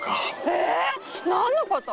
えっ何のこと？